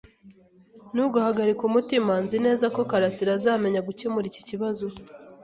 Ntugahagarike umutima. Nzi neza ko karasira azamenya gukemura iki kibazo.